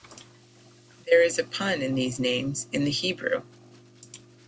There is a pun in these names in the Hebrew.